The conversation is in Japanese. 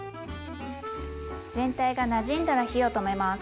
全体がなじんだら火を止めます。